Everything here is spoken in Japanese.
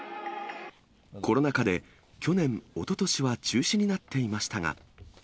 コロナ禍で去年、おととしは中止になっていましたが。